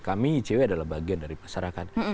kami icw adalah bagian dari masyarakat